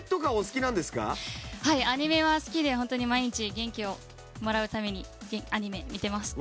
はいアニメは好きでホントに毎日元気をもらうためにアニメ見てます。